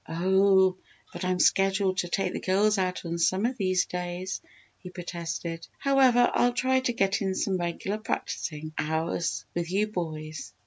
"Oh, but I'm scheduled to take the girls out on some of these days," he protested. "However, I'll try to get in some regular practising hours with you boys."